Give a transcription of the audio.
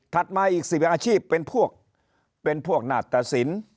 ถัดมาอีกสี่อาชีพเป็นพวกเป็นพวกนาฏศิลป์